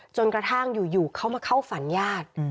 จนกระทั่งอยู่เขามาเข้าฝันญาติ